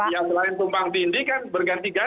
yang selain tumpang tindih kan bergantung